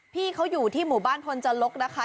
พี่เขาอยู่ที่หมู่บ้านพลจรกนะคะ